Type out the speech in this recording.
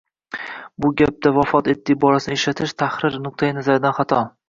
Bu gapda vafot etdi iborasini ishlatish tahrir nuqtai nazaridan xato